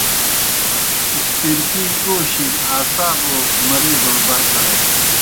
اسپرکی اوشیْ گہ اعصابو مریضوڑ بر کلینَن۔